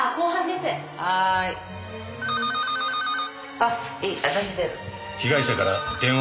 あっいい私出る。